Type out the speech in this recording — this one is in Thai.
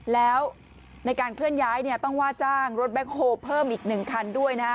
แล้วในการเคลื่อนย้ายต้องว่าจ้างรถแบ็คโฮลเพิ่มอีก๑คันด้วยนะ